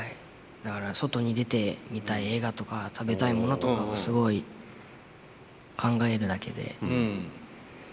だから外に出て見たい映画とか食べたいものとかをすごい考えるだけで割と。